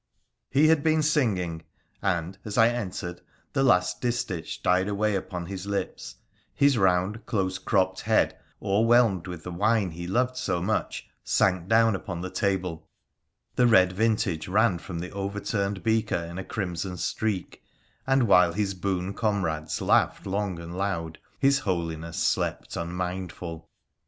He had been singing, and, as I entered, the last distich died away upon his lips, his round, close cropped head, o'er whelmed with the wine he loved so much, sank down upon the table, the red vintage ran from the over turned beaker in a crimson streak, and while his boon comrades laughed long and loud his holiness slept unmindful.